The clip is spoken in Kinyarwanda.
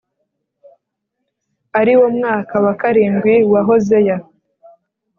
ari wo mwaka wa karindwi wa Hoseya